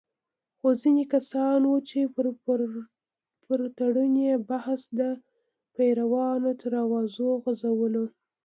خو ځینې کسان وو چې پر تړون یې بحث د پیریانو تر اوازو غـځولو.